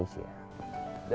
pasti mama cariin aku